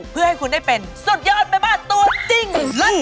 เพื่อให้คุณได้เป็นสุดยอดแม่บ้านตัวจริง